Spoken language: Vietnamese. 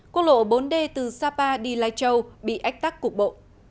quốc lộ bốn d từ sapa đi lai châu bị ách tắc cục bộ